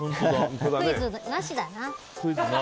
クイズなしだな。